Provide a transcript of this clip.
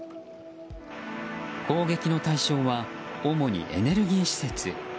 攻撃の対象は主にエネルギー施設。